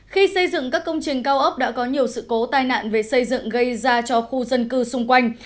khi xây dựng các công trình cao ốc đã có nhiều sự cố tai nạn về xây dựng gây ra cho khu dân cư xung quanh